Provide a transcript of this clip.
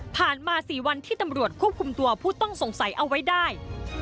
มา๔วันที่ตำรวจควบคุมตัวผู้ต้องสงสัยเอาไว้ได้